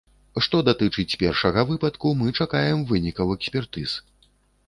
Што датычыць першага выпадку, мы чакаем вынікаў экспертыз.